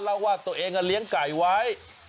เล่าว่าตัวเองเลี้ยงไก่ไว้